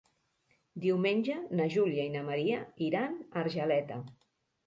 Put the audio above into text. Diumenge na Júlia i na Maria iran a Argeleta.